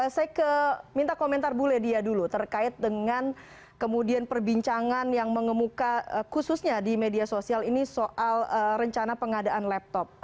saya minta komentar bu ledia dulu terkait dengan kemudian perbincangan yang mengemuka khususnya di media sosial ini soal rencana pengadaan laptop